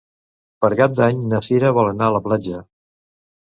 Per Cap d'Any na Cira vol anar a la platja.